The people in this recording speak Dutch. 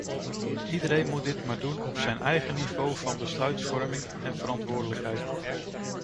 Iedereen moet dit maar doen op zijn eigen niveau van besluitvorming en verantwoordelijkheid.